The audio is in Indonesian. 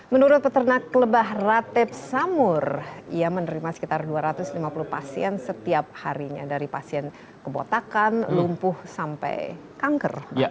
menurut peternak lebah ratep samur ia menerima sekitar dua ratus lima puluh pasien setiap harinya dari pasien kebotakan lumpuh sampai kanker